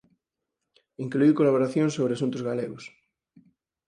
Incluíu colaboracións sobre asuntos galegos.